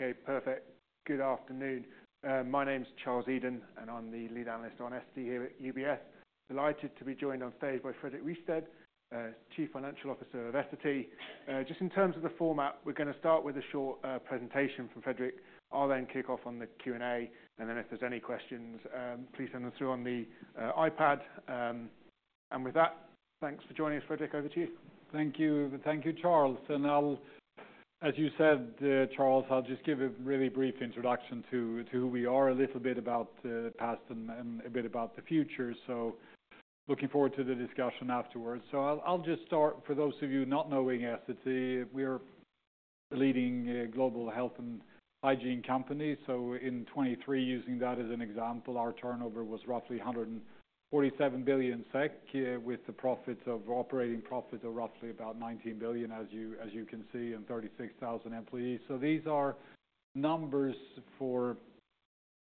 Okay, perfect. Good afternoon. My name is Charles Eden, and I'm the lead analyst on Essity here at UBS. Delighted to be joined on stage by Fredrik Rystedt, Chief Financial Officer of Essity. Just in terms of the format, we're going to start with a short presentation from Fredrik. I'll then kick off on the Q&A, and then if there's any questions, please send them through on the iPad. And with that, thanks for joining us, Fredrik, over to you. Thank you. Thank you, Charles. And I'll, as you said, Charles, I'll just give a really brief introduction to, to who we are, a little bit about the past and, and a bit about the future. So looking forward to the discussion afterwards. So I'll, I'll just start, for those of you not knowing Essity, we are leading a global health and hygiene company. So in 2023, using that as an example, our turnover was roughly 147 billion SEK, with the profits of operating profits of roughly about 19 billion, as you, as you can see, and 36,000 employees. So these are numbers for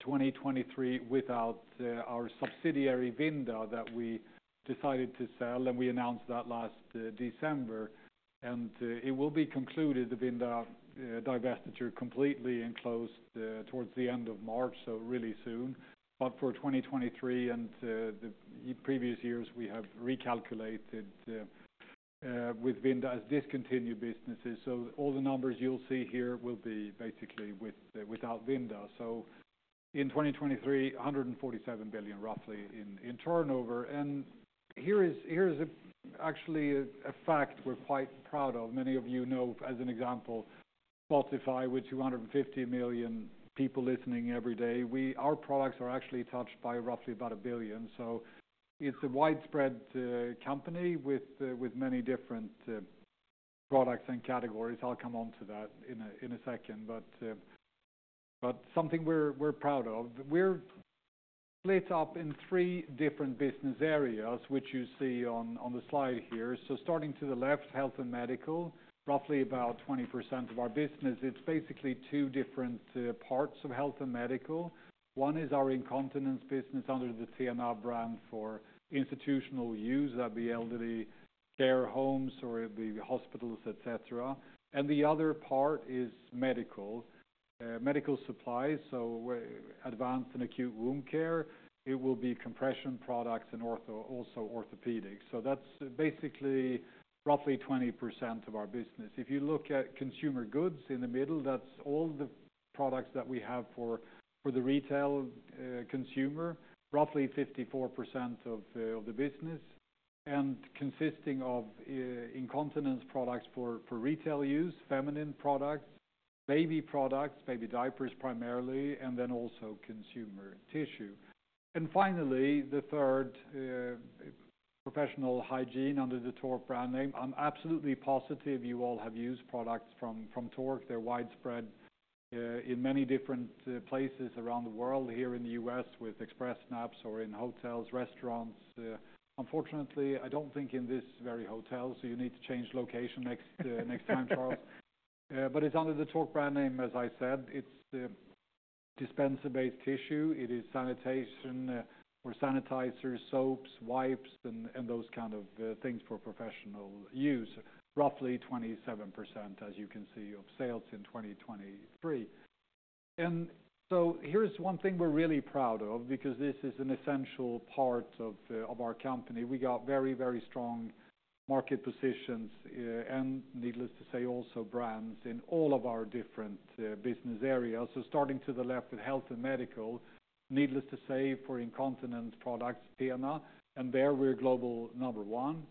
2023 without, our subsidiary, Vinda, that we decided to sell, and we announced that last, December. And, it will be concluded, the Vinda, divestiture, completely and closed, towards the end of March, so really soon. But for 2023 and the previous years, we have recalculated with Vinda as discontinued businesses. So all the numbers you'll see here will be basically without Vinda. So in 2023, 147 billion, roughly in turnover. And here is actually a fact we're quite proud of. Many of you know, as an example, Spotify, with 250 million people listening every day, our products are actually touched by roughly about 1 billion. So it's a widespread company with many different products and categories. I'll come on to that in a second, but something we're proud of. We're split up in three different business areas, which you see on the slide here. So starting to the left, Health & Medical, roughly about 20% of our business. It's basically two different parts of Health & Medical. One is our incontinence business under the TENA brand for institutional use, that'd be elderly care homes or it'd be hospitals, et cetera. And the other part is medical medical supplies, so advanced and acute wound care. It will be compression products and ortho, also orthopedics. So that's basically roughly 20% of our business. If you look at consumer goods in the middle, that's all the products that we have for the retail consumer, roughly 54% of the business, and consisting of incontinence products for retail use, feminine products, baby products, baby diapers, primarily, and then also consumer tissue. And finally, the third Professional Hygiene under the Tork brand name. I'm absolutely positive you all have used products from Tork. They're widespread in many different places around the world, here in the US, with rest stops or in hotels, restaurants. Unfortunately, I don't think in this very hotel, so you need to change location next time, Charles. But it's under the Tork brand name, as I said. It's the dispenser-based tissue. It is sanitation or sanitizers, soaps, wipes, and those kind of things for professional use. Roughly 27%, as you can see, of sales in 2023. So here's one thing we're really proud of, because this is an essential part of our company. We got very, very strong market positions, and needless to say, also brands in all of our different business areas. So starting to the left with Health & Medical, needless to say, for incontinence products, TENA, and there we're global number one.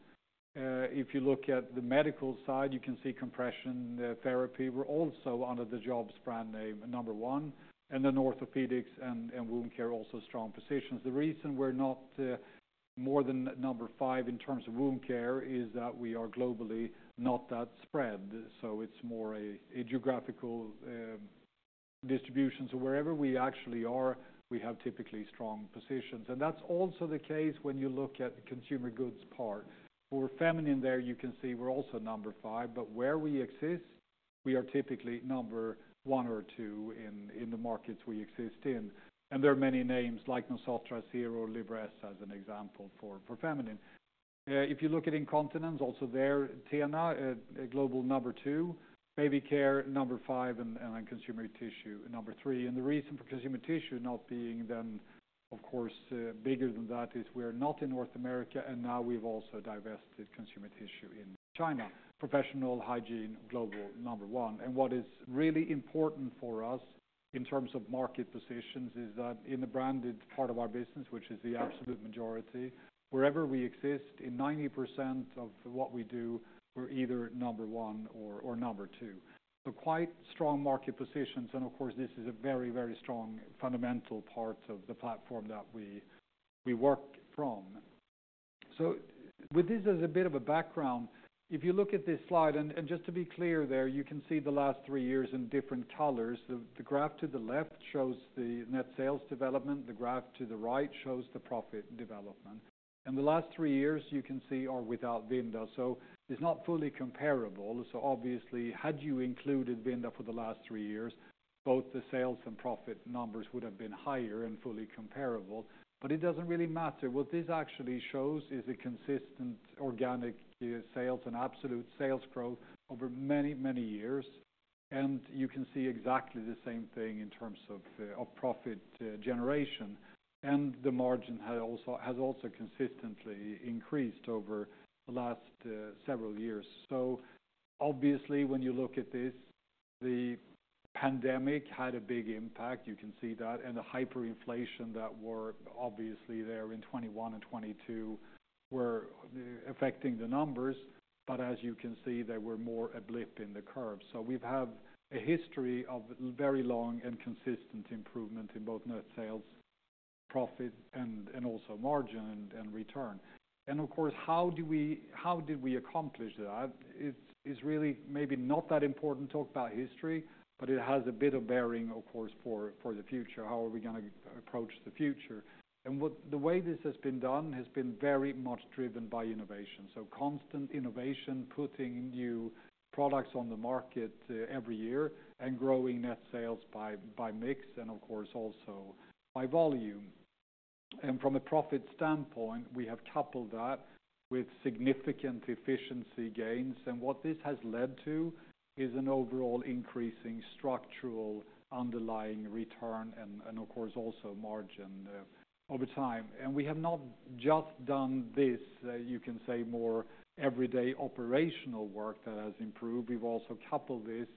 If you look at the medical side, you can see compression therapy. We're also under the JOBST brand name, number one, and then orthopedics and wound care, also strong positions. The reason we're not more than number five in terms of wound care is that we are globally not that spread, so it's more a geographical distribution. So wherever we actually are, we have typically strong positions. And that's also the case when you look at the consumer goods part. For feminine there, you can see we're also number five, but where we exist, we are typically number one or two in the markets we exist in. And there are many names like Nosotras here or Libresse, as an example, for feminine. If you look at incontinence, also there, TENA, a global number two, baby care, number five, and then consumer tissue, number three. The reason for consumer tissue not being then, of course, bigger than that is we're not in North America, and now we've also divested consumer tissue in China. Professional hygiene, global number one. What is really important for us in terms of market positions is that in the branded part of our business, which is the absolute majority, wherever we exist, in 90% of what we do, we're either number one or number two. So quite strong market positions, and of course, this is a very, very strong fundamental part of the platform that we work from. So with this as a bit of a background, if you look at this slide, and just to be clear there, you can see the last three years in different colors. The graph to the left shows the net sales development, the graph to the right shows the profit development. And the last three years, you can see, are without Vinda, so it's not fully comparable. So obviously, had you included Vinda for the last three years, both the sales and profit numbers would have been higher and fully comparable. But it doesn't really matter. What this actually shows is a consistent organic sales and absolute sales growth over many, many years.... And you can see exactly the same thing in terms of of profit generation, and the margin had also- has also consistently increased over the last several years. So obviously, when you look at this, the pandemic had a big impact, you can see that, and the hyperinflation that were obviously there in 2021 and 2022 were affecting the numbers. But as you can see, they were more a blip in the curve. So we've had a history of very long and consistent improvement in both net sales, profit, and, and also margin and, and return. And of course, how do we, how did we accomplish that? It's, is really maybe not that important to talk about history, but it has a bit of bearing, of course, for, for the future. How are we gonna approach the future? And what, the way this has been done has been very much driven by innovation. So constant innovation, putting new products on the market, every year, and growing net sales by, by mix, and of course, also by volume. And from a profit standpoint, we have coupled that with significant efficiency gains, and what this has led to is an overall increasing structural underlying return, and of course, also margin over time. We have not just done this, you can say, more everyday operational work that has improved. We've also coupled this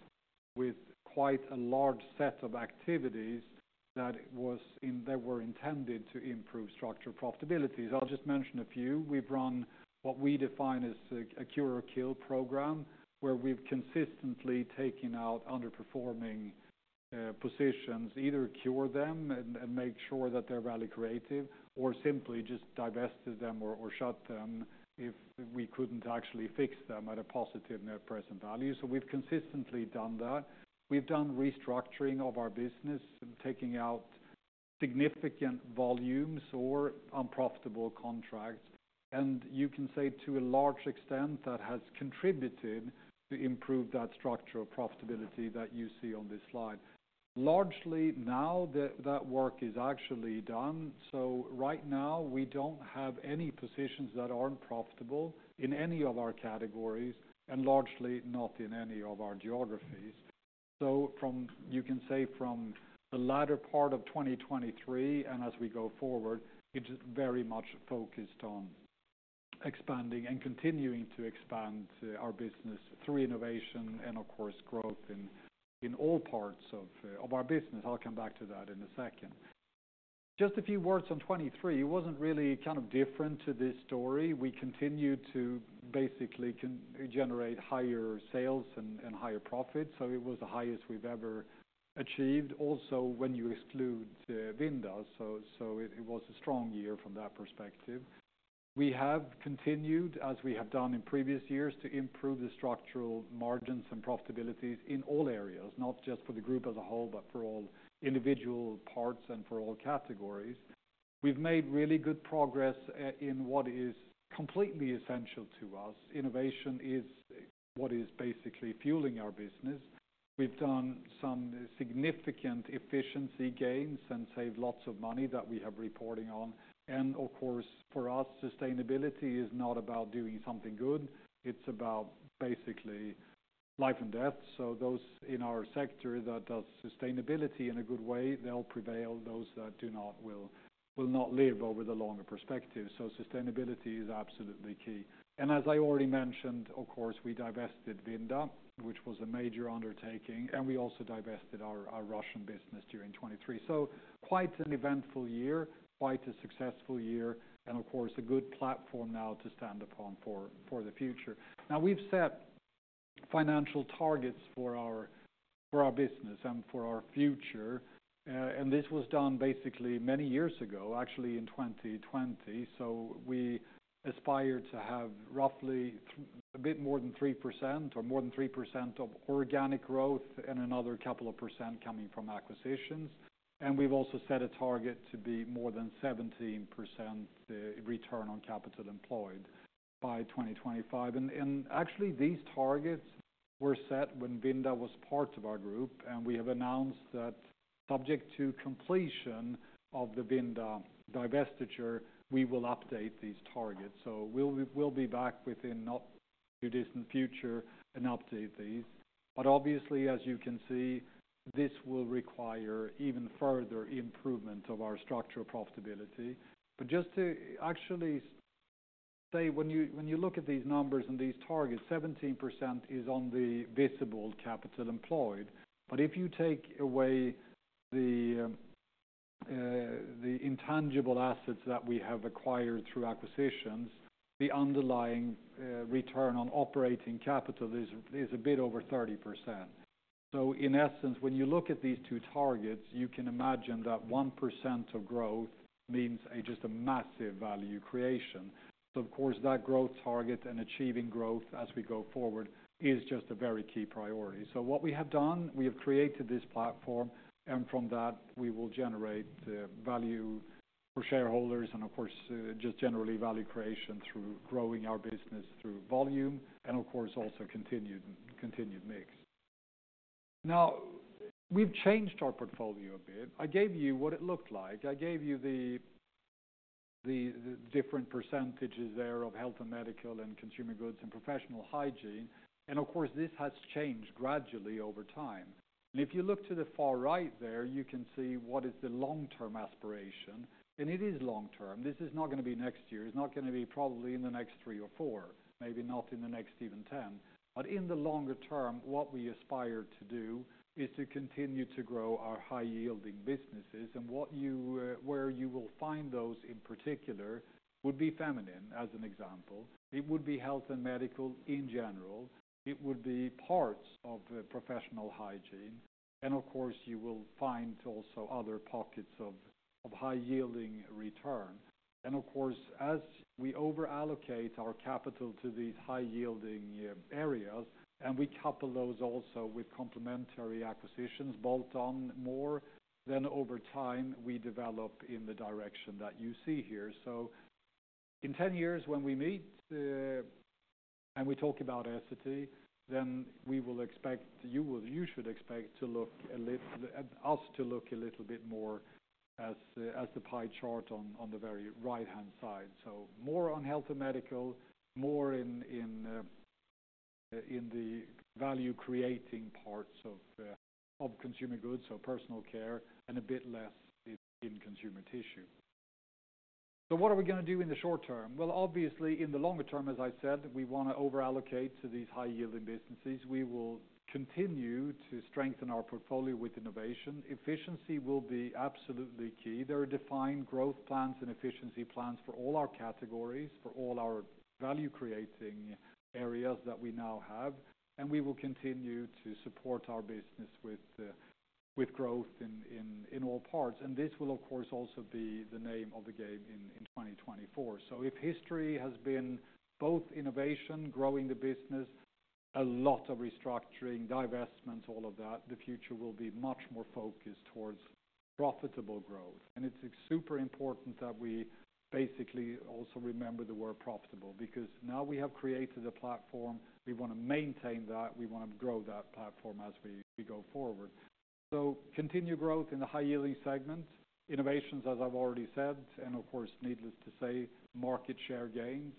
with quite a large set of activities that were intended to improve structural profitability. So I'll just mention a few. We've run what we define as a Cure or Kill program, where we've consistently taken out underperforming positions, either cure them and make sure that they're value creative, or simply just divested them or shut them if we couldn't actually fix them at a positive net present value. So we've consistently done that. We've done restructuring of our business, taking out significant volumes or unprofitable contracts, and you can say, to a large extent, that has contributed to improve that structural profitability that you see on this slide. Largely, now, that work is actually done, so right now, we don't have any positions that aren't profitable in any of our categories, and largely not in any of our geographies. So from, you can say, from the latter part of 2023, and as we go forward, it's very much focused on expanding and continuing to expand our business through innovation and, of course, growth in, in all parts of our business. I'll come back to that in a second. Just a few words on 2023. It wasn't really kind of different to this story. We continued to basically generate higher sales and higher profits, so it was the highest we've ever achieved. Also, when you exclude Vinda, it was a strong year from that perspective. We have continued, as we have done in previous years, to improve the structural margins and profitabilities in all areas, not just for the group as a whole, but for all individual parts and for all categories. We've made really good progress in what is completely essential to us. Innovation is what is basically fueling our business. We've done some significant efficiency gains and saved lots of money that we have reporting on. And of course, for us, sustainability is not about doing something good, it's about basically life and death. So those in our sector that does sustainability in a good way, they'll prevail, those that do not will, will not live over the longer perspective, so sustainability is absolutely key. And as I already mentioned, of course, we divested Vinda, which was a major undertaking, and we also divested our, our Russian business during 2023. So quite an eventful year, quite a successful year, and of course, a good platform now to stand upon for, for the future. Now, we've set financial targets for our, for our business and for our future, and this was done basically many years ago, actually in 2020. So we aspire to have roughly a bit more than 3% or more than 3% of organic growth and another couple of percent coming from acquisitions. We've also set a target to be more than 17% return on capital employed by 2025. Actually, these targets were set when Vinda was part of our group, and we have announced that subject to completion of the Vinda divestiture, we will update these targets. So we'll be back within not too distant future and update these. But obviously, as you can see, this will require even further improvement of our structural profitability. But just to actually say, when you look at these numbers and these targets, 17% is on the visible capital employed. But if you take away the intangible assets that we have acquired through acquisitions, the underlying return on operating capital is a bit over 30%. So in essence, when you look at these two targets, you can imagine that 1% of growth means just a massive value creation. So of course, that growth target and achieving growth as we go forward is just a very key priority. So what we have done, we have created this platform, and from that, we will generate value for shareholders and, of course, just generally value creation through growing our business through volume and, of course, also continued mix. Now, we've changed our portfolio a bit. I gave you what it looked like. I gave you the different percentages there of health and medical and consumer goods and professional hygiene. And of course, this has changed gradually over time. And if you look to the far right there, you can see what is the long-term aspiration, and it is long term. This is not going to be next year. It's not going to be probably in the next three or four, maybe not in the next even 10. But in the longer term, what we aspire to do is to continue to grow our high-yielding businesses. And what you, where you will find those in particular would be feminine, as an example. It would be health and medical in general. It would be parts of, professional hygiene, and of course, you will find also other pockets of high-yielding return. And of course, as we over-allocate our capital to these high-yielding, areas, and we couple those also with complementary acquisitions, bolt on more, then over time, we develop in the direction that you see here. So in 10 years, when we meet, and we talk about Essity, then we will expect you, you should expect us to look a little bit more as the, as the pie chart on, on the very right-hand side. So more on health and medical, more in the value-creating parts of, of consumer goods, so personal care, and a bit less in, consumer tissue. So what are we going to do in the short term? Well, obviously, in the longer term, as I said, we want to over-allocate to these high-yielding businesses. We will continue to strengthen our portfolio with innovation. Efficiency will be absolutely key. There are defined growth plans and efficiency plans for all our categories, for all our value-creating areas that we now have, and we will continue to support our business with growth in all parts. And this will, of course, also be the name of the game in 2024. So if history has been both innovation, growing the business, a lot of restructuring, divestments, all of that, the future will be much more focused towards profitable growth. And it's super important that we basically also remember the word profitable, because now we have created a platform, we want to maintain that, we want to grow that platform as we go forward. So continued growth in the high-yielding segment, innovations, as I've already said, and of course, needless to say, market share gains.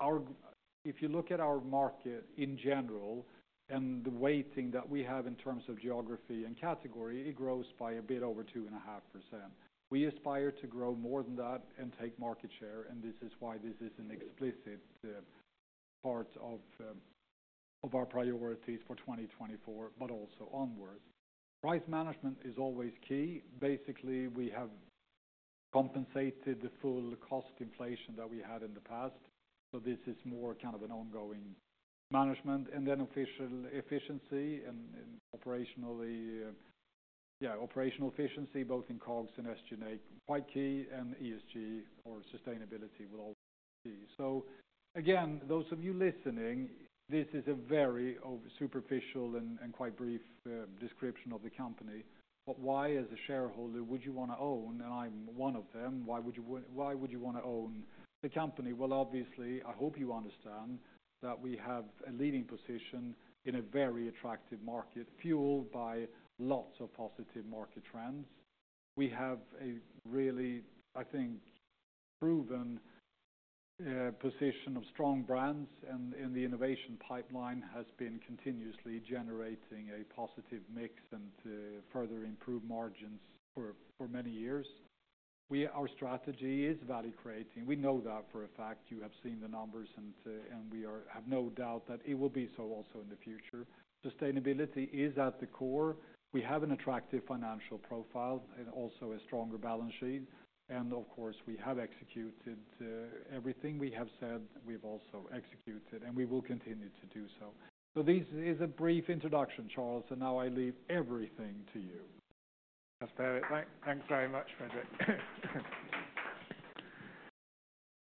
Our -- If you look at our market in general and the weighting that we have in terms of geography and category, it grows by a bit over 2.5%. We aspire to grow more than that and take market share, and this is why this is an explicit part of our priorities for 2024, but also onwards. Price management is always key. Basically, we have compensated the full cost inflation that we had in the past, so this is more kind of an ongoing management, and then overall efficiency and operationally, operational efficiency, both in COGS and SG&A, quite key, and ESG or sustainability will all be. So again, those of you listening, this is a very superficial and quite brief description of the company. But why, as a shareholder, would you want to own, and I'm one of them, why would you want to own the company? Well, obviously, I hope you understand that we have a leading position in a very attractive market, fueled by lots of positive market trends. We have a really, I think, proven position of strong brands, and the innovation pipeline has been continuously generating a positive mix and further improved margins for many years. Our strategy is value creating. We know that for a fact. You have seen the numbers, and we have no doubt that it will be so also in the future. Sustainability is at the core. We have an attractive financial profile and also a stronger balance sheet. And of course, we have executed everything we have said, we've also executed, and we will continue to do so. So this is a brief introduction, Charles, and now I leave everything to you. That's fair. Thanks, thanks very much, Fredrik.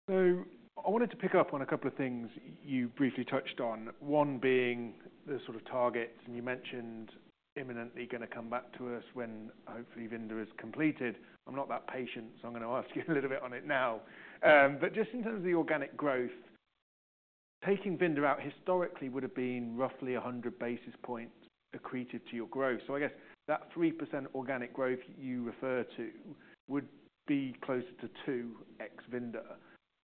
So I wanted to pick up on a couple of things you briefly touched on, one being the sort of targets, and you mentioned imminently going to come back to us when hopefully Vinda is completed. I'm not that patient, so I'm going to ask you a little bit on it now. But just in terms of the organic growth, taking Vinda out historically, would have been roughly 100 basis points accreted to your growth. So I guess that 3% organic growth you refer to would be closer to 2% ex Vinda.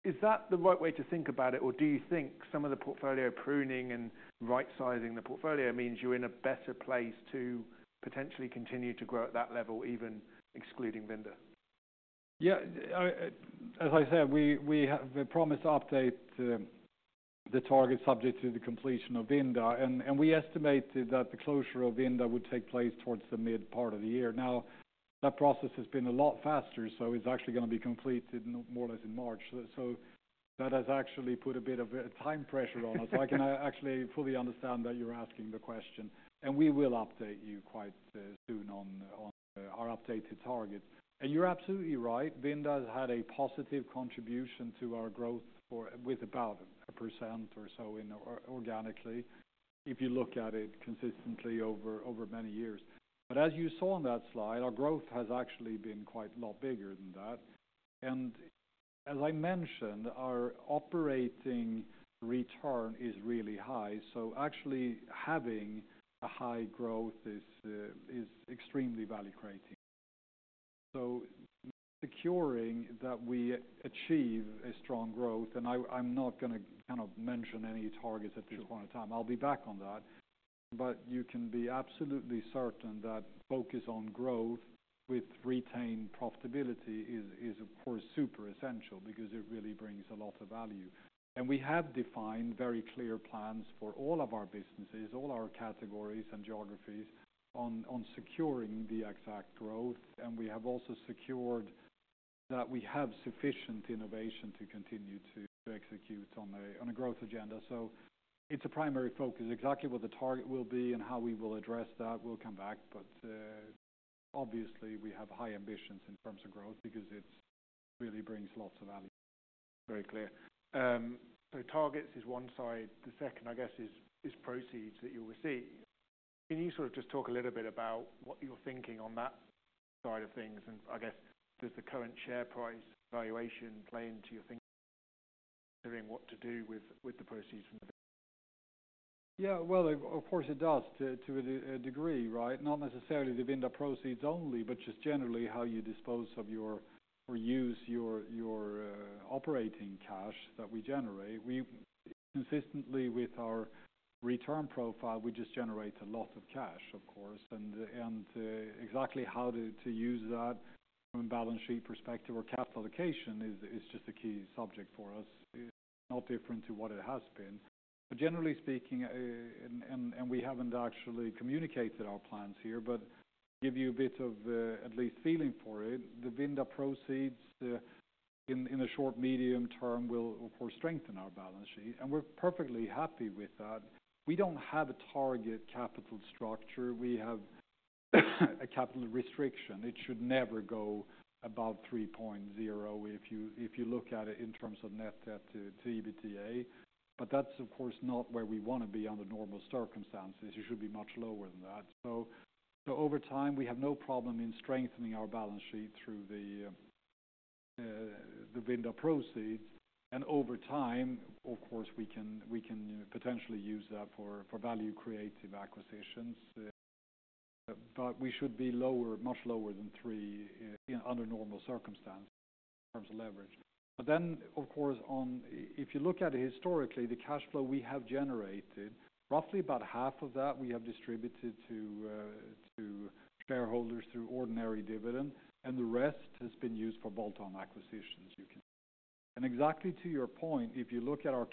Is that the right way to think about it, or do you think some of the portfolio pruning and right-sizing the portfolio means you're in a better place to potentially continue to grow at that level, even excluding Vinda? Yeah, as I said, we, we have a promise to update the, the target subject to the completion of Vinda, and, and we estimated that the closure of Vinda would take place towards the mid part of the year. Now, that process has been a lot faster, so it's actually going to be completed more or less in March. So that has actually put a bit of a time pressure on us. So I can actually fully understand that you're asking the question, and we will update you quite soon on our updated target. And you're absolutely right, Vinda has had a positive contribution to our growth with about 1% or so inorganically, if you look at it consistently over many years. But as you saw on that slide, our growth has actually been quite a lot bigger than that. As I mentioned, our operating return is really high, so actually having a high growth is extremely value-creating. So securing that we achieve a strong growth, and I, I'm not going to kind of mention any targets at this point in time. I'll be back on that. But you can be absolutely certain that focus on growth with retained profitability is, of course, super essential because it really brings a lot of value. And we have defined very clear plans for all of our businesses, all our categories and geographies, on securing the exact growth. And we have also secured that we have sufficient innovation to continue to execute on a growth agenda. So it's a primary focus. Exactly what the target will be and how we will address that, we'll come back, but, obviously we have high ambitions in terms of growth because it really brings lots of value. Very clear. So targets is one side. The second, I guess, is proceeds that you will see. Can you sort of just talk a little bit about what you're thinking on that side of things? And I guess, does the current share price valuation play into your thinking, considering what to do with the proceeds from the? Yeah, well, of course, it does, to a degree, right? Not necessarily the Vinda proceeds only, but just generally how you dispose of or use your operating cash that we generate. We've consistently with our return profile, we just generate a lot of cash, of course, and exactly how to use that from a balance sheet perspective or capital allocation is just a key subject for us, no different to what it has been. But generally speaking, we haven't actually communicated our plans here, but give you a bit of at least feeling for it. The Vinda proceeds in the short, medium term, will of course, strengthen our balance sheet, and we're perfectly happy with that. We don't have a target capital structure. We have a capital restriction. It should never go above 3.0, if you look at it in terms of net debt to EBITDA. But that's, of course, not where we want to be under normal circumstances. It should be much lower than that. So over time, we have no problem in strengthening our balance sheet through the Vinda proceeds, and over time, of course, we can potentially use that for value-creative acquisitions. But we should be lower, much lower than three, under normal circumstances in terms of leverage. But then, of course, if you look at it historically, the cash flow we have generated, roughly about half of that, we have distributed to shareholders through ordinary dividend, and the rest has been used for bolt-on acquisitions, you can see. And exactly to your point, if you look at our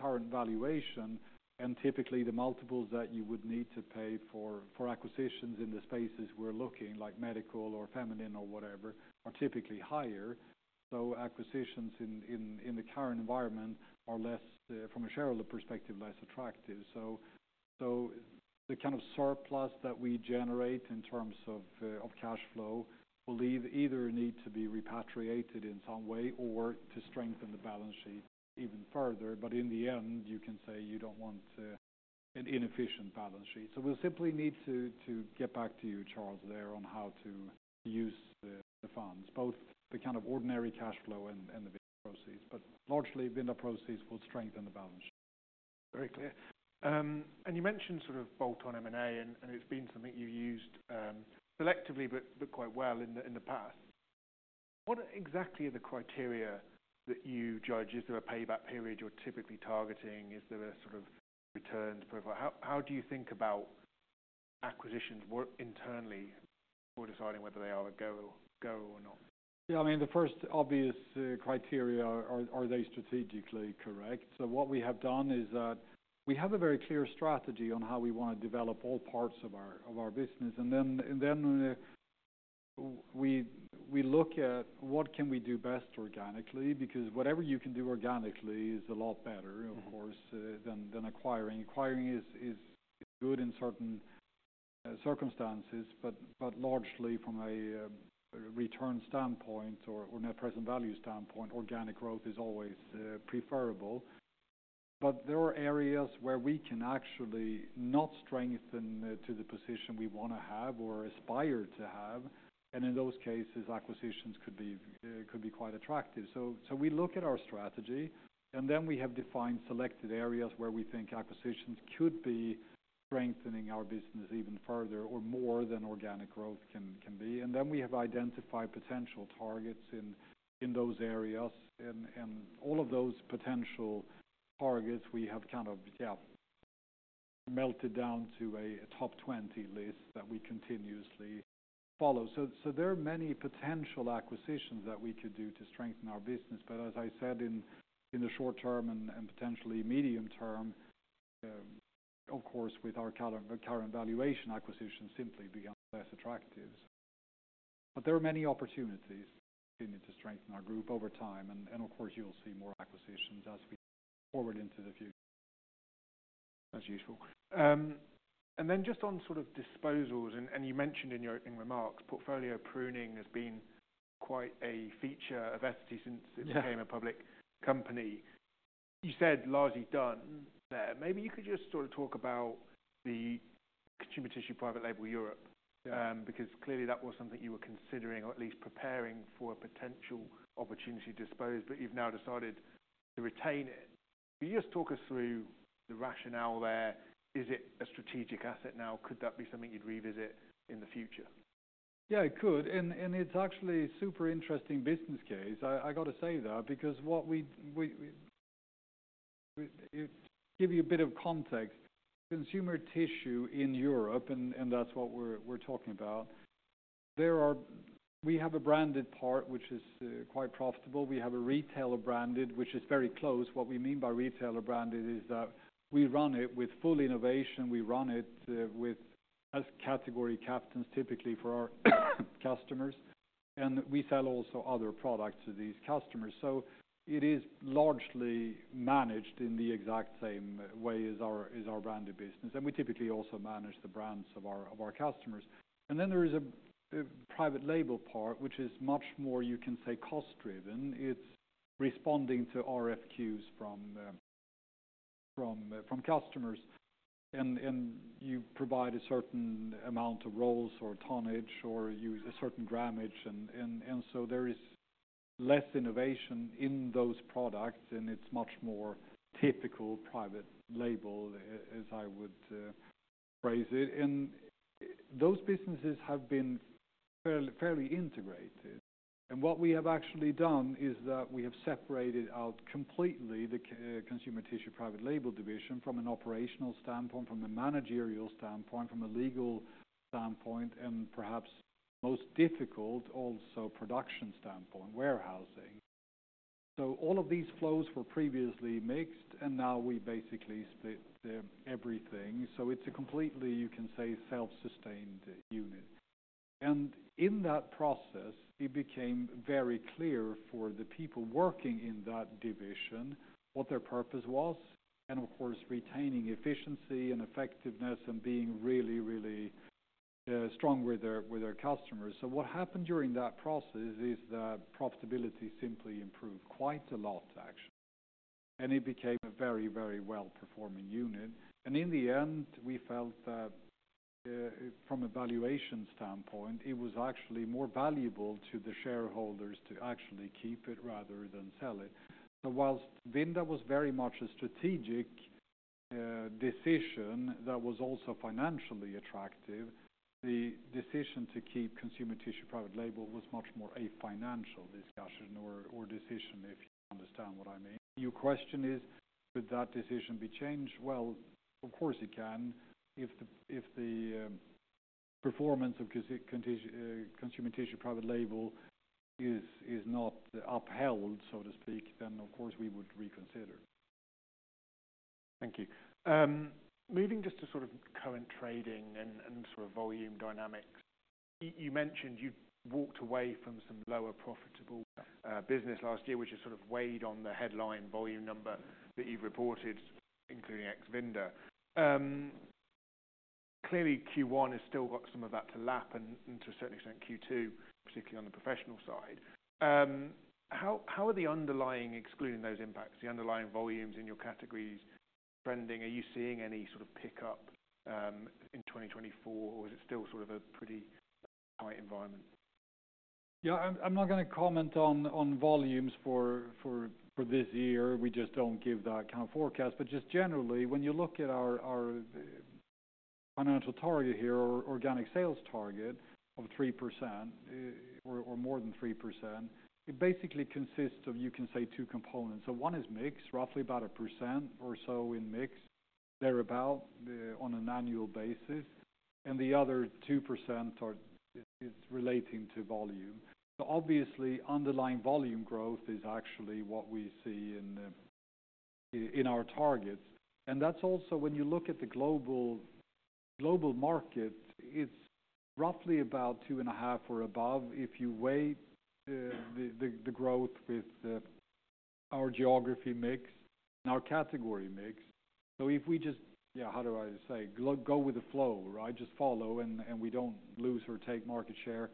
current valuation, and typically the multiples that you would need to pay for acquisitions in the spaces we're looking, like medical or feminine or whatever, are typically higher. So acquisitions in the current environment are less, from a shareholder perspective, less attractive. So the kind of surplus that we generate in terms of of cash flow will either need to be repatriated in some way or to strengthen the balance sheet even further. But in the end, you can say you don't want an inefficient balance sheet. So we'll simply need to get back to you, Charles, there on how to use the funds, both the kind of ordinary cash flow and the Vinda proceeds. But largely, Vinda proceeds will strengthen the balance sheet. Very clear. And you mentioned sort of bolt-on M&A, and it's been something you used selectively, but quite well in the past. What exactly are the criteria that you judge? Is there a payback period you're typically targeting? Is there a sort of return profile? How do you think about acquisitions work internally for deciding whether they are a go or not? Yeah, I mean, the first obvious criteria are, are they strategically correct? So what we have done is that we have a very clear strategy on how we want to develop all parts of our business, and then we look at what we can do best organically, because whatever you can do organically is a lot better, of course, than acquiring. Acquiring is good in certain circumstances, but largely from a return standpoint or net present value standpoint, organic growth is always preferable. But there are areas where we can actually not strengthen to the position we want to have or aspire to have, and in those cases, acquisitions could be quite attractive. So we look at our strategy, and then we have defined selected areas where we think acquisitions could be strengthening our business even further or more than organic growth can be. And then we have identified potential targets in those areas, and all of those potential targets, we have kind of, yeah, melted down to a top 20 list that we continuously follow. So there are many potential acquisitions that we could do to strengthen our business. But as I said, in the short term and potentially medium term, of course, with our current valuation, acquisition simply becomes less attractive. But there are many opportunities continue to strengthen our group over time, and of course, you'll see more acquisitions as we forward into the future. That's useful. And then just on sort of disposals, and you mentioned in your opening remarks, portfolio pruning has been quite a feature of Essity since- Yeah... it became a public company. You said largely done there. Maybe you could just sort of talk about the Consumer Tissue Private Label Europe, because clearly that was something you were considering or at least preparing for a potential opportunity to dispose, but you've now decided to retain it. Can you just talk us through the rationale there? Is it a strategic asset now? Could that be something you'd revisit in the future? Yeah, it could, and it's actually super interesting business case. I got to say that because, to give you a bit of context, consumer tissue in Europe, and that's what we're talking about. We have a branded part, which is quite profitable. We have a retailer branded, which is very close. What we mean by retailer branded is that we run it with full innovation, we run it with, as category captains, typically for our customers, and we sell also other products to these customers. So it is largely managed in the exact same way as our branded business, and we typically also manage the brands of our customers. And then there is a private label part, which is much more, you can say, cost-driven. It's responding to RFQs from customers, and you provide a certain amount of rolls or tonnage, or use a certain grammage, and so there is less innovation in those products, and it's much more typical private label, as I would phrase it. And those businesses have been fairly integrated. And what we have actually done is that we have separated out completely the Consumer Tissue Private Label division from an operational standpoint, from a managerial standpoint, from a legal standpoint, and perhaps most difficult, also production standpoint, warehousing. So all of these flows were previously mixed, and now we basically split everything. So it's a completely, you can say, self-sustained unit. In that process, it became very clear for the people working in that division, what their purpose was, and of course, retaining efficiency and effectiveness and being really, really strong with their customers. So what happened during that process is that profitability simply improved quite a lot, actually, and it became a very, very well-performing unit. And in the end, we felt that from a valuation standpoint, it was actually more valuable to the shareholders to actually keep it rather than sell it. So whilst Vinda was very much a strategic decision that was also financially attractive, the decision to keep Consumer Tissue Private Label was much more a financial discussion or decision, if you understand what I mean. Your question is, could that decision be changed? Well, of course, it can. If the performance of Consumer Tissue Private Label is not upheld, so to speak, then, of course, we would reconsider. Thank you. Moving just to sort of current trading and sort of volume dynamics. You mentioned you walked away from some lower profitable business last year, which has sort of weighed on the headline volume number that you've reported, including ex-Vinda. Clearly, Q1 has still got some of that to lap and to a certain extent, Q2, particularly on the professional side. How are the underlying, excluding those impacts, the underlying volumes in your categories trending? Are you seeing any sort of pickup in 2024, or is it still sort of a pretty tight environment? Yeah, I'm not gonna comment on volumes for this year. We just don't give that kind of forecast. But just generally, when you look at our financial target here, our organic sales target of 3%, or more than 3%, it basically consists of, you can say, two components. So one is mix, roughly about 1% or so in mix, thereabout, on an annual basis, and the other 2% is relating to volume. So obviously, underlying volume growth is actually what we see in our targets. And that's also when you look at the global market, it's roughly about two and a half or above. If you weigh the growth with our geography mix and our category mix. So if we just... Yeah, how do I say? Go, go with the flow, right? Just follow, and, and we don't lose or take market share,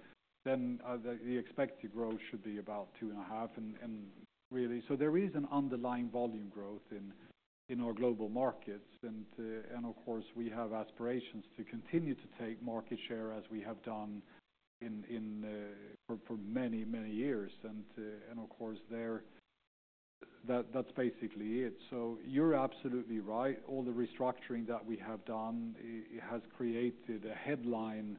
then, the expected growth should be about two and a half, and, and really... So there is an underlying volume growth in, in our global markets, and, and of course, we have aspirations to continue to take market share as we have done in, in, for, for many, many years. And, and of course, there, that, that's basically it. So you're absolutely right. All the restructuring that we have done, it has created a headline,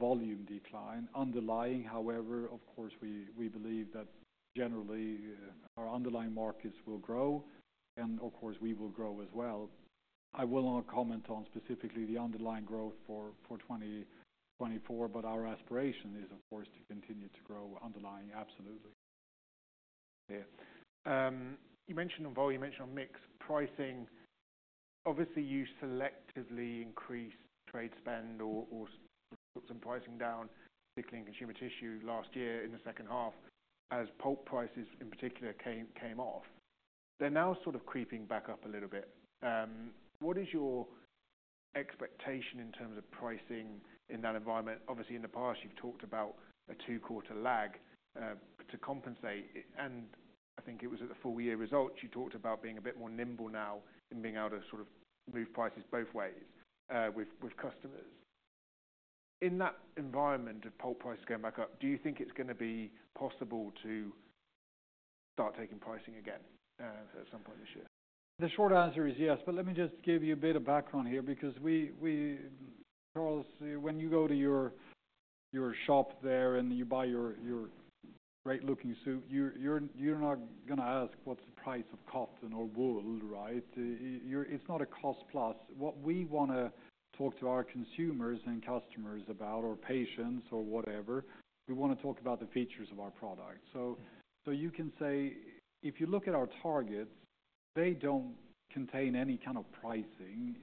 volume decline. Underlying, however, of course, we, we believe that generally, our underlying markets will grow, and of course, we will grow as well. I will not comment on specifically the underlying growth for, for 2024, but our aspiration is, of course, to continue to grow underlying. Absolutely. Yeah. You mentioned on volume, you mentioned on mix pricing. Obviously, you selectively increased trade spend or, or put some pricing down, particularly in consumer tissue last year in the second half, as pulp prices in particular came, came off. They're now sort of creeping back up a little bit. What is your expectation in terms of pricing in that environment. Obviously, in the past, you've talked about a two-quarter lag to compensate. And I think it was at the full year results, you talked about being a bit more nimble now in being able to sort of move prices both ways with, with customers. In that environment of pulp prices going back up, do you think it's gonna be possible to start taking pricing again at some point this year? The short answer is yes, but let me just give you a bit of background here, because we, Charles, when you go to your shop there and you buy your great looking suit, you're not gonna ask what's the price of cotton or wool, right? You're not a cost plus. What we wanna talk to our consumers and customers about, or patients or whatever, we wanna talk about the features of our product. So you can say, if you look at our targets, they don't contain any kind of pricing.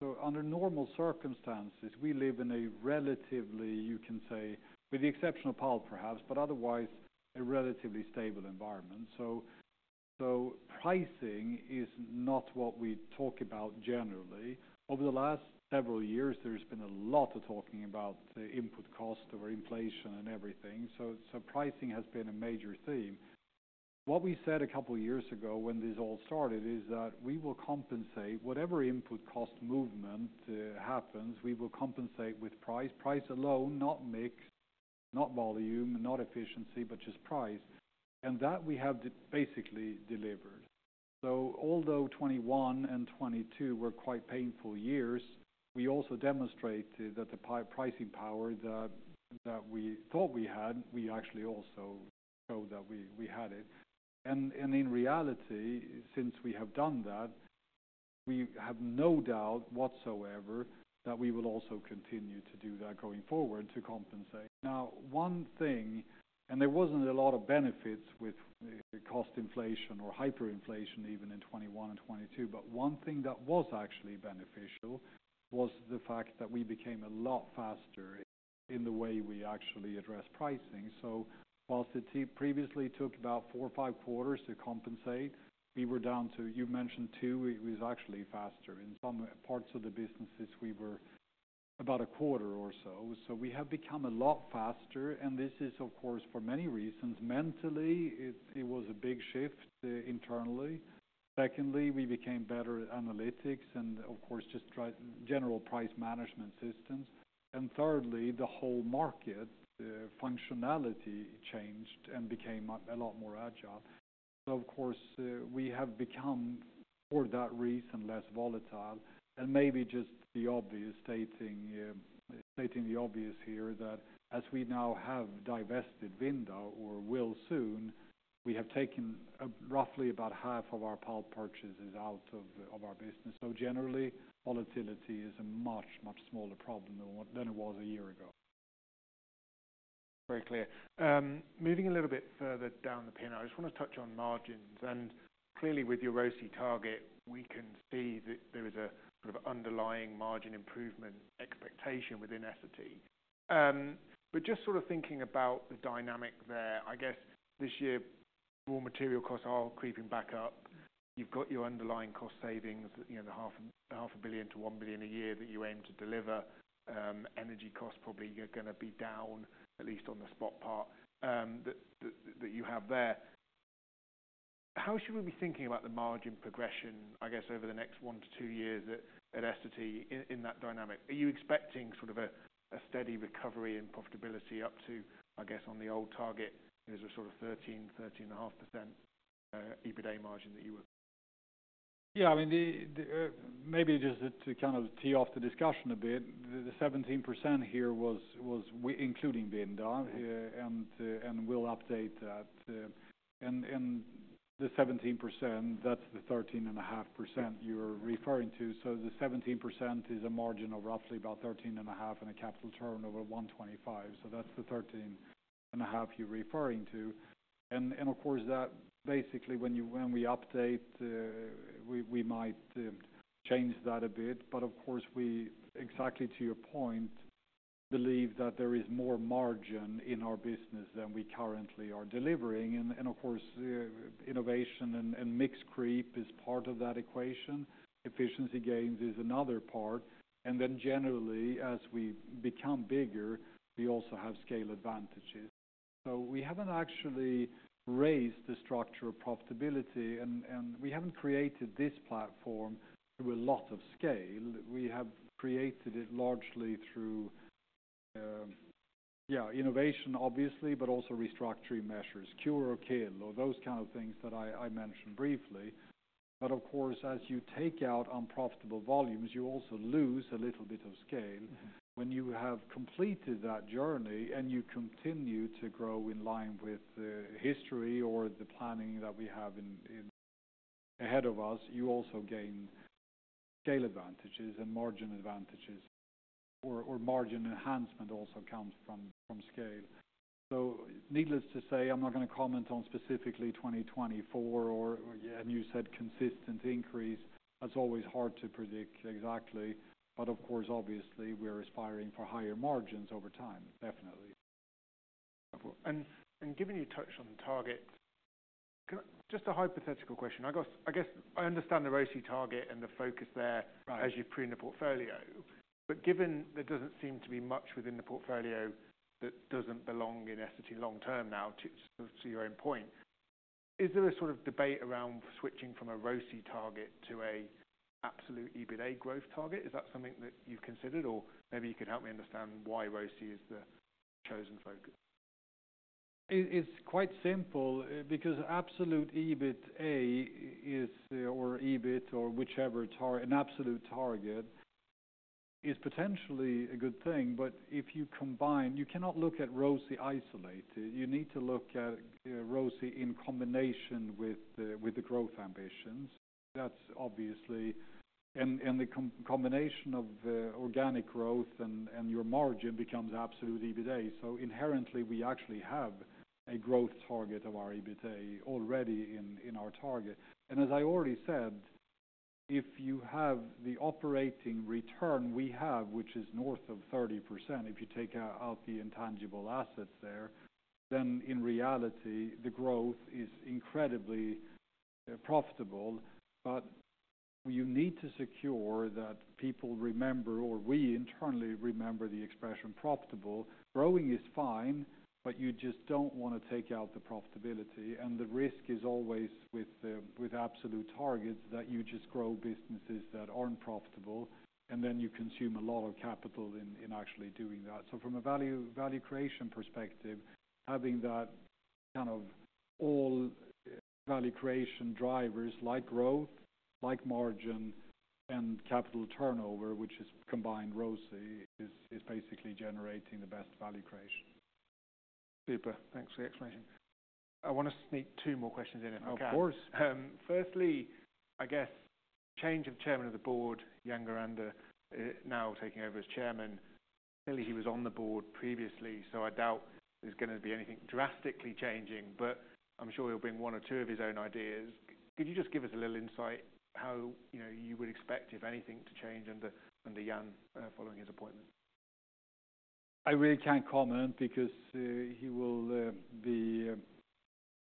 So under normal circumstances, we live in a relatively, you can say, with the exception of pulp, perhaps, but otherwise, a relatively stable environment. So pricing is not what we talk about generally. Over the last several years, there's been a lot of talking about the input cost of inflation and everything, so pricing has been a major theme. What we said a couple of years ago when this all started is that we will compensate—whatever input cost movement happens, we will compensate with price, price alone, not mix, not volume, not efficiency, but just price. And that we have basically delivered. So although 2021 and 2022 were quite painful years, we also demonstrated that the pricing power that we thought we had, we actually also showed that we had it. And in reality, since we have done that, we have no doubt whatsoever that we will also continue to do that going forward to compensate. Now, one thing, and there wasn't a lot of benefits with cost inflation or hyperinflation, even in 2021 and 2022, but one thing that was actually beneficial was the fact that we became a lot faster in the way we actually address pricing. So whilst it previously took about four or five quarters to compensate, you mentioned two, it was actually faster. In some parts of the businesses, we were about a quarter or so. So we have become a lot faster, and this is, of course, for many reasons. Mentally, it was a big shift internally. Secondly, we became better at analytics and of course, just general price management systems. And thirdly, the whole market functionality changed and became a lot more agile. So of course, we have become, for that reason, less volatile, and maybe just the obvious, stating the obvious here, that as we now have divested Vinda or will soon, we have taken, roughly about half of our pulp purchases out of our business. So generally, volatility is a much, much smaller problem than it was a year ago. Very clear. Moving a little bit further down the P&L, I just want to touch on margins. Clearly, with your ROCE target, we can see that there is a sort of underlying margin improvement expectation within Essity. Just sort of thinking about the dynamic there, I guess this year, raw material costs are creeping back up. You've got your underlying cost savings, you know, the 0.5 billion-1 billion a year that you aim to deliver. Energy costs probably are gonna be down, at least on the spot part, that you have there. How should we be thinking about the margin progression, I guess, over the next one to two years at Essity in that dynamic? Are you expecting sort of a steady recovery in profitability up to, I guess, on the old target, is a sort of 13%-13.5% EBITDA margin that you were- Yeah, I mean, maybe just to kind of tee off the discussion a bit, the 17% here was with including Vinda, and we'll update that. And the 17%, that's the 13.5% you're referring to. So the 17% is a margin of roughly about 13.5 and a capital turnover of 1.25. So that's the 13.5 you're referring to. And of course, that basically, when we update, we might change that a bit, but of course, exactly to your point, we believe that there is more margin in our business than we currently are delivering. And of course, innovation and mix creep is part of that equation. Efficiency gains is another part. And then generally, as we become bigger, we also have scale advantages. So we haven't actually raised the structure of profitability, and we haven't created this platform through a lot of scale. We have created it largely through yeah, innovation, obviously, but also restructuring measures, cure or kill, or those kind of things that I mentioned briefly. But of course, as you take out unprofitable volumes, you also lose a little bit of scale. When you have completed that journey and you continue to grow in line with history or the planning that we have in ahead of us, you also gain scale advantages and margin advantages, or margin enhancement also comes from scale. So needless to say, I'm not gonna comment on specifically 2024 or, yeah, and you said consistent increase. That's always hard to predict exactly, but of course, obviously, we're aspiring for higher margins over time, definitely. ...And given you touched on target, can just a hypothetical question. I guess I understand the ROCE target and the focus there- Right. as you see in the portfolio. But given there doesn't seem to be much within the portfolio that doesn't belong in Essity long term now, to your own point, is there a sort of debate around switching from a ROCE target to an absolute EBITA growth target? Is that something that you've considered, or maybe you could help me understand why ROCE is the chosen focus? It's quite simple, because absolute EBITA is, or EBIT or whichever target an absolute target, is potentially a good thing, but if you combine... You cannot look at ROCE isolated. You need to look at ROCE in combination with the growth ambitions. That's obviously- and the combination of organic growth and your margin becomes absolute EBITA. So inherently, we actually have a growth target of our EBITA already in our target. And as I already said, if you have the operating return we have, which is north of 30%, if you take out the intangible assets there, then in reality, the growth is incredibly profitable. But you need to secure that people remember, or we internally remember the expression profitable. Growing is fine, but you just don't want to take out the profitability, and the risk is always with absolute targets, that you just grow businesses that aren't profitable, and then you consume a lot of capital in actually doing that. So from a value creation perspective, having that kind of all value creation drivers like growth, like margin and capital turnover, which is combined ROCE, is basically generating the best value creation. Super. Thanks for the explanation. I want to sneak two more questions in, if I can. Of course. Firstly, I guess, change of chairman of the board, Jan Gurander, now taking over as chairman. Clearly, he was on the board previously, so I doubt there's gonna be anything drastically changing, but I'm sure he'll bring one or two of his own ideas. Could you just give us a little insight how, you know, you would expect, if anything, to change under Jan following his appointment? I really can't comment because he will be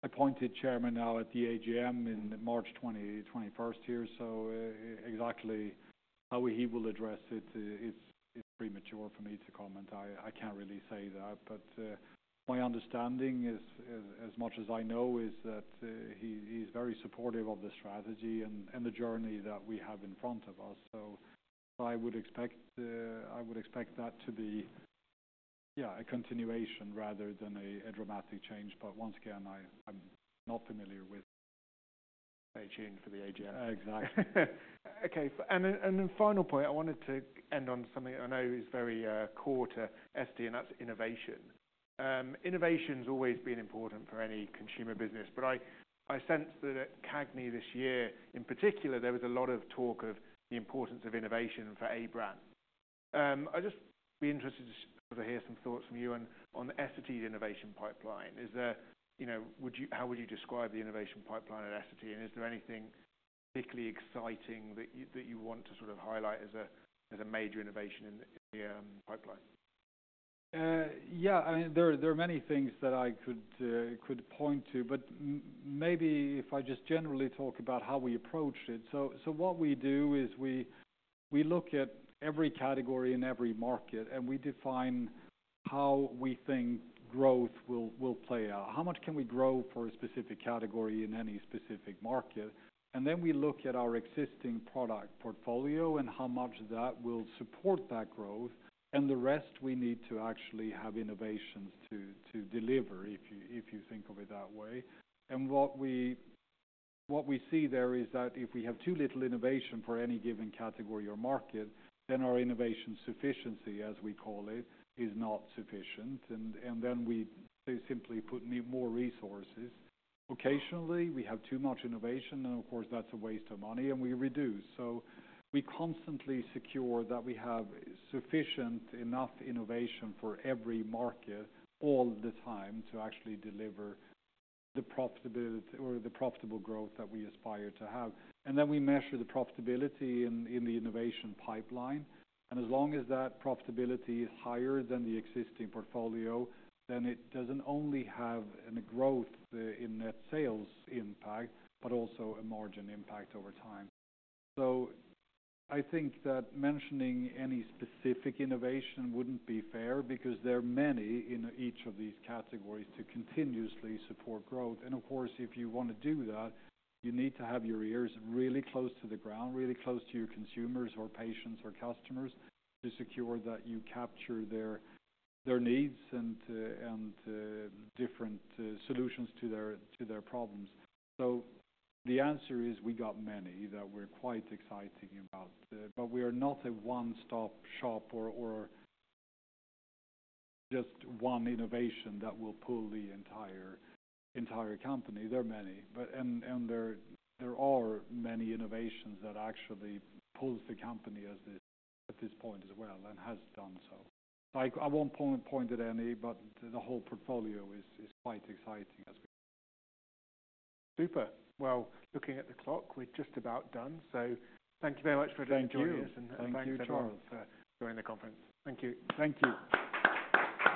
appointed chairman now at the AGM in March 2021. So exactly how he will address it is premature for me to comment. I can't really say that, but my understanding as much as I know is that he is very supportive of the strategy and the journey that we have in front of us. So I would expect that to be, yeah, a continuation rather than a dramatic change. But once again, I'm not familiar with... tuning for the AGM. Exactly. Okay, and then final point, I wanted to end on something I know is very core to Essity, and that's innovation. Innovation's always been important for any consumer business, but I sense that at CAGNY this year, in particular, there was a lot of talk of the importance of innovation for a brand. I'd just be interested to hear some thoughts from you on Essity's innovation pipeline. Is there... You know, would you how would you describe the innovation pipeline at Essity, and is there anything particularly exciting that you want to sort of highlight as a major innovation in the pipeline? Yeah, I mean, there are many things that I could point to, but maybe if I just generally talk about how we approached it. So what we do is we look at every category in every market, and we define how we think growth will play out. How much can we grow for a specific category in any specific market? And then we look at our existing product portfolio and how much that will support that growth, and the rest we need to actually have innovations to deliver, if you think of it that way. And what we see there is that if we have too little innovation for any given category or market, then our innovation sufficiency, as we call it, is not sufficient, and then we simply put more resources. Occasionally, we have too much innovation, and of course, that's a waste of money, and we reduce. So we constantly secure that we have sufficient enough innovation for every market all the time to actually deliver the profitability or the profitable growth that we aspire to have. And then we measure the profitability in the innovation pipeline, and as long as that profitability is higher than the existing portfolio, then it doesn't only have a growth in net sales impact, but also a margin impact over time. So I think that mentioning any specific innovation wouldn't be fair, because there are many in each of these categories to continuously support growth. Of course, if you want to do that, you need to have your ears really close to the ground, really close to your consumers or patients or customers, to secure that you capture their needs and different solutions to their problems. So the answer is we got many that we're quite exciting about, but we are not a one-stop shop or just one innovation that will pull the entire company. There are many, and there are many innovations that actually pulls the company at this point as well, and has done so. I won't point at any, but the whole portfolio is quite exciting as well. Super. Well, looking at the clock, we're just about done. So thank you very much for joining us. Thank you. Thanks, everyone- Thank you, Charles.... for joining the conference. Thank you. Thank you.